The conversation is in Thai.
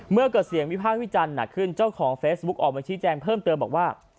เมื่อเกิดเสียงวิพากษ์วิจารณ์หนักขึ้นเจ้าของเฟซบุ๊กออกมาชี้แจงเพิ่มเติมบอกว่า